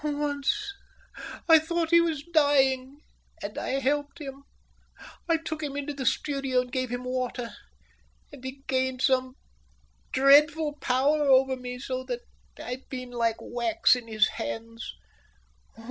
"Once, I thought he was dying, and I helped him. I took him into the studio and gave him water. And he gained some dreadful power over me so that I've been like wax in his hands.